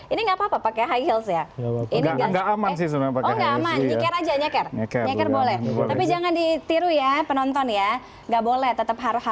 ini gak apa apa pakai high heels ya ini jangan ditiru ya penonton ya nggak boleh tetap harusnya